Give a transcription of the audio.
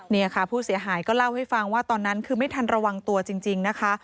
นี่ค่ะผู้เสียหายก็เล่าให้ฟังว่าตอนนั้นคือไม่ทันระวังตัวจริงนะคะ